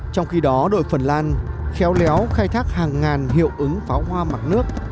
trong khi đó đội phần lan khéo léo khai thác hàng ngàn hiệu ứng pháo hoa mặt nước